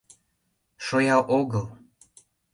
Шоя огыл.